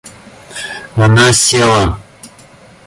Она села.